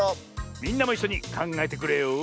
みんなもいっしょにかんがえてくれよ！